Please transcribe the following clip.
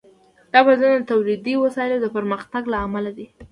دا بدلون د تولیدي وسایلو د پرمختګ له امله دی.